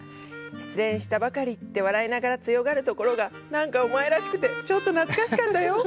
失恋したばかりって笑いながら強がるところが何か、お前らしくてちょっと懐かしかったよ。